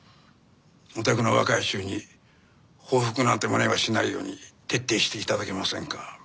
おたくの若い衆に報復なんて真似はしないように徹底して頂けませんか？